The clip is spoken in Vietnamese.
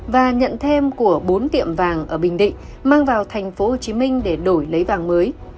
và nhận thêm của bốn tiệm vàng ở bình định mang vào tp hcm để đổi lấy vàng mới